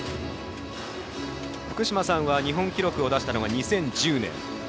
福島さんは日本記録を出したのは２０１０年。